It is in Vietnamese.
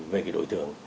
về đối tượng